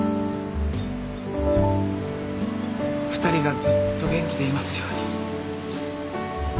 ２人がずっと元気でいますように。